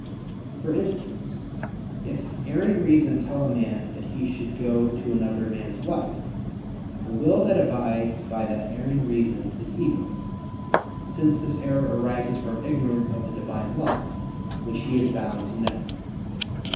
For instance, if erring reason tell a man that he should go to another man's wife, the will that abides by that erring reason is evil; since this error arises from ignorance of the Divine Law, which he is bound to know.